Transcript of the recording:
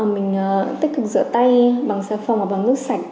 mình tích cực rửa tay bằng xà phòng và bằng nước sạch